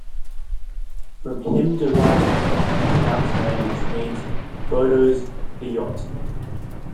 From him derives the town's name, which means "Bodo's Eyot".